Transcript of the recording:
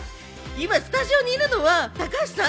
今スタジオにいるのは高橋さん？